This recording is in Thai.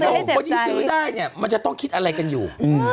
แล้วคนที่ซื้อได้เนี่ยมันจะต้องคิดอะไรกันอยู่